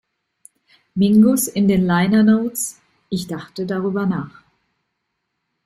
Mingus in den Liner Notes: "Ich dachte darüber nach.